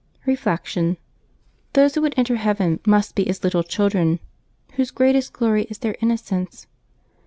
Reflection. — Those who would enter heaven must be as little children, whose greatest glory is their innocence.